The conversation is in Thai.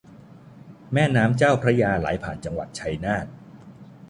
แม่น้ำเจ้าพระยาไหลผ่านจังหวัดชัยนาท